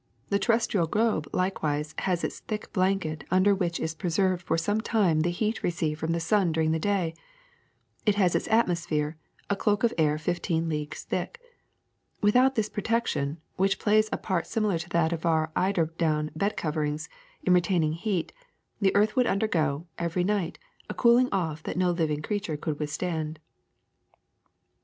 The terrestrial globe likewise has its thick blanket under which is preserved for some time the heat re ceived from the sun during the day ; it has its atmos phere, a cloak of air fifteen leagues thick. Without this protection, which plays a part similar to that of our eider down bed coverings in retaining heat, the earth would undergo, every night, a cooling off that no living creature could withstand.